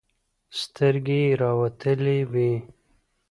سترګې يې راوتلې وې.